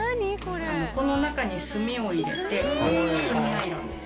この中に炭を入れて炭アイロンです。